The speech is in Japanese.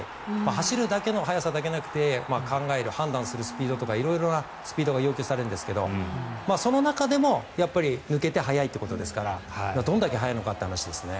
走るだけの速さだけじゃなくて考える判断の早さとか色々なスピードが要求されるんですがその中でもやっぱり抜けて速いということですからどれだけ速いのかという話ですね。